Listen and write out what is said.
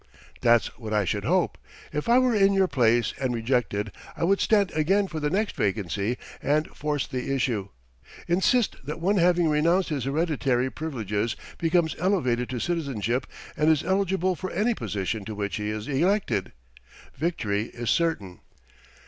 "That's what I should hope. If I were in your place, and rejected, I would stand again for the next vacancy and force the issue. Insist that one having renounced his hereditary privileges becomes elevated to citizenship and is eligible for any position to which he is elected. Victory is certain.